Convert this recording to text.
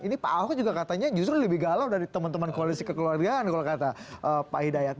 ini pak ahok juga katanya justru lebih galau dari teman teman koalisi kekeluargaan kalau kata pak hidayat